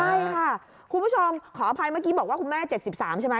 ใช่ค่ะคุณผู้ชมขออภัยเมื่อกี้บอกว่าคุณแม่๗๓ใช่ไหม